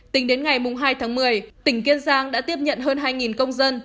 tính đến ngày hai tháng một mươi tỉnh kiên giang đã tiếp nhận hơn hai công dân